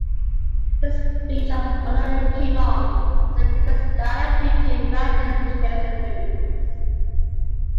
The speech of Molungkimong is the prestige dialect due to Baptist missionaries' influence.